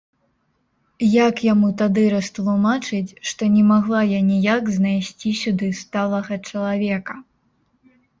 Як яму тады растлумачыць, што не магла я ніяк знайсці сюды сталага чалавека!